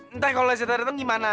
entah kalo rezeta dateng gimana